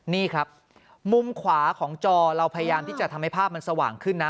นี่ครับมุมขวาของจอเราพยายามที่จะทำให้ภาพมันสว่างขึ้นนะ